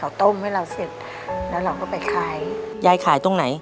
ต้มให้เราเสร็จแล้วเราก็ไปขายยายขายตรงไหน